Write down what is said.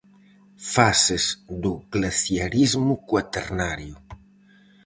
Fases do glaciarismo cuaternario.